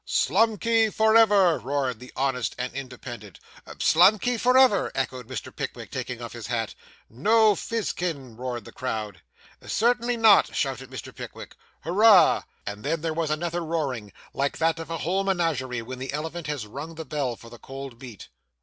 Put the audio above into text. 'Slumkey for ever!' roared the honest and independent. 'Slumkey for ever!' echoed Mr. Pickwick, taking off his hat. 'No Fizkin!' roared the crowd. 'Certainly not!' shouted Mr. Pickwick. 'Hurrah!' And then there was another roaring, like that of a whole menagerie when the elephant has rung the bell for the cold meat.